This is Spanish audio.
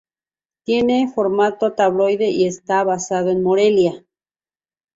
Tiene formato tabloide y está basado en Morelia.